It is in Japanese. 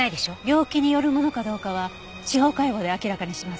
病気によるものかどうかは司法解剖で明らかにします。